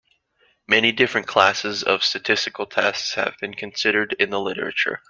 Many different classes of statistical tests have been considered in the literature.